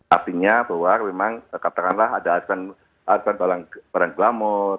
artinya bahwa memang katakanlah ada barang glamor